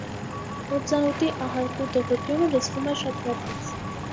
Հորձանուտի ահարկու դղրդյունը լսվում է շատ հեռվից։